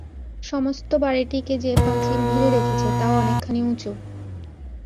সমস্ত বাড়িটিকে যে-পাঁচিল ঘিরে রেখেছে, তাও অনেকখানি উঁচু।